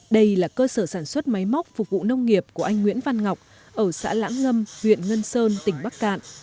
đây là cơ sở sản xuất máy móc phục vụ nông nghiệp của anh nguyễn văn ngọc ở xã lãng ngâm huyện ngân sơn tỉnh bắc cạn